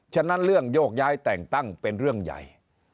ฉะนั้นเรื่องโยกย้ายแต่งตั้งเป็นเรื่องใหญ่